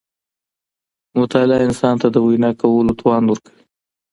مطالعه انسان ته د وینا کولو توان ورکوي.